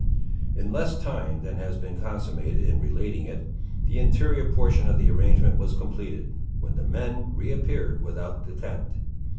In less time than has been consummated in relating it, the interior portion of the arrangement was completed, when the men re appeared without the tent.